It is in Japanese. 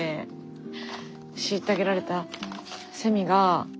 虐げられたセミが。